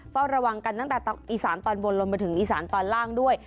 เฝ้าระวังกันตั้งแต่อีสานตอนบนลงมาถึงอีสานตอนล่างด้วย